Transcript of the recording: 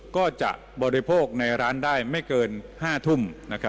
ก็จะบริโภคในร้านได้ไม่เกิน๕ทุ่ม